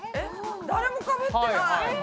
誰もかぶってない！